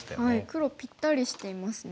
黒ぴったりしていますね。